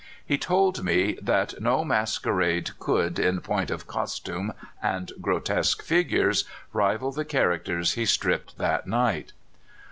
He told me that no masquerade could, in point of costume and grotesque figures, rival the characters he stripped that night."